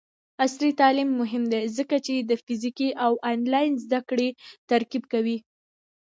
عصري تعلیم مهم دی ځکه چې د فزیکي او آنلاین زدکړې ترکیب کوي.